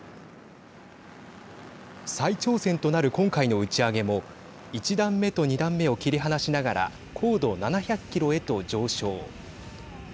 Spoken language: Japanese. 再挑戦となる今回の打ち上げも１段目と２段目を切り離しながら高度７００キロへと上昇。